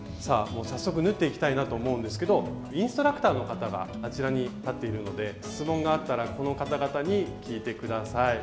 早速縫っていきたいなと思うんですけどインストラクターの方があちらに立っているので質問があったらこの方々に聞いて下さい。